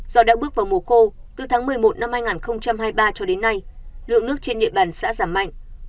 do đã bước vào mùa khô từ tháng một mươi một năm hai nghìn hai mươi ba cho đến nay lượng nước trên địa bàn xã giảm mạnh